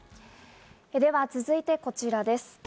では続いてこちらです。